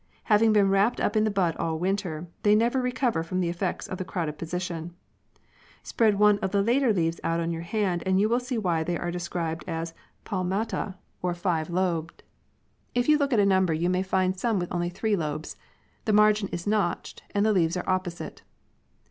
Having been wrapped up in the bud all winter, they 7. Young Maple Tree. ^CVCr rCCOVCr frOm thc cffcCtS Of the crowded position (Fig. 8). Spread one of the later leaves out on your hand and you will see why they are described as palmate 99 r and five lobed. If you lcx)k at a number you may find some with only three lobes. The margin is notched and the leaves are opposite.